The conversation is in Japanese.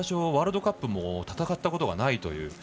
ワールドカップも戦ったことがないという。